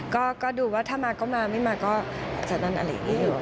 ก็ดูว่าถ้ามาก็มาไม่มาก็จะนั่นอะไรอย่างนี้อยู่